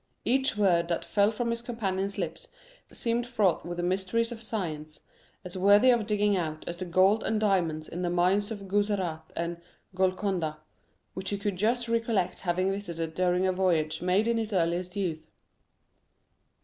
Each word that fell from his companion's lips seemed fraught with the mysteries of science, as worthy of digging out as the gold and diamonds in the mines of Guzerat and Golconda, which he could just recollect having visited during a voyage made in his earliest youth.